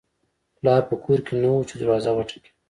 پلار په کور کې نه و چې دروازه وټکېده